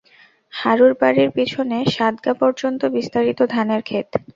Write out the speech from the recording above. হারুর বাড়ির পিছনে সাতগা পর্যন্ত বিস্তারিত ধানের ক্ষেত।